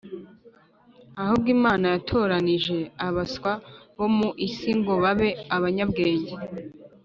Ahubwo Imana yatoranije abaswa bo mu isi ngo babe abanyabwenge